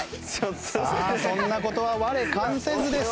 さあそんな事は我関せずです。